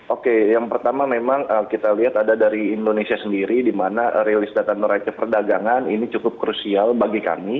oke yang pertama memang kita lihat ada dari indonesia sendiri di mana rilis data neraca perdagangan ini cukup krusial bagi kami